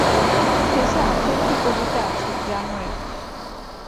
শেষে আলাদা একটি কবিতা আছে ‘জানুয়ারি’।